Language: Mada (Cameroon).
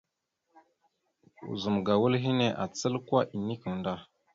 Ozum ga wal henne acal kwa enekweŋ da.